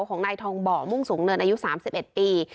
ของนายทองบ่อมุ่งสูงเนินอายุ๓๑ปี